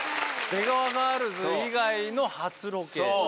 出川ガールズ以外の初ロケ。